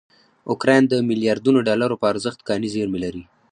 اوکراین دمیلیاردونوډالروپه ارزښت کاني زېرمې لري.